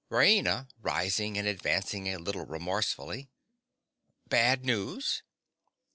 RAINA. (rising and advancing a little remorsefully). Bad news?